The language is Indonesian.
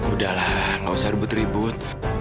udahlah nggak usah ribut ribut